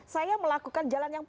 saya melakukan jalan yang